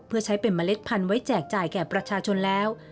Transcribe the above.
เพื่อใช้เป็นเมล็ดพันธุ์ไว้แจกจ่ายแก่ประชาชนแล้ว